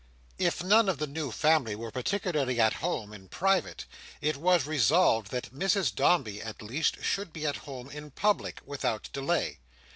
If none of the new family were particularly at home in private, it was resolved that Mrs Dombey at least should be at home in public, without delay.